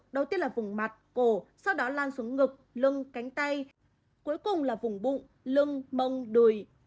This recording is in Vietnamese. đầu tiên là vùng mặt cổ sau đó lan xuống ngực lưng cánh tay cuối cùng là vùng bụng lưng mông đùi